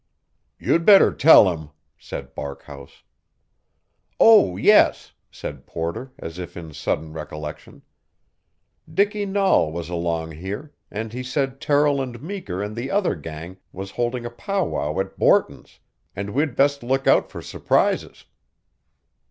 "You'd better tell him," said Barkhouse. "Oh, yes," said Porter, as if in sudden recollection. "Dicky Nahl was along here, and he said Terrill and Meeker and the other gang was holding a powwow at Borton's, and we'd best look out for surprises."